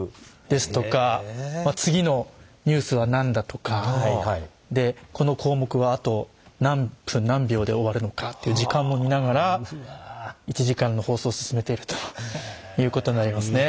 ですとか次のニュースは何だとかでこの項目はあと何分何秒で終わるのかっていう時間も見ながら１時間の放送を進めているということになりますね。